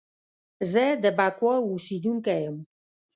زه د بکواه اوسیدونکی یم